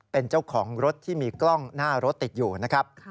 เป็นเจ้าของรถที่มีกล้องหน้ารถติดอยู่นะครับ